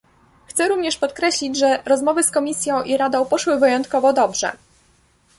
Chcę również podkreślić, że rozmowy z Komisją i Radą poszły wyjątkowo dobrze